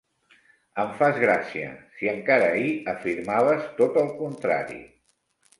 Em fas gràcia! Si encara ahir afirmaves tot el contrari.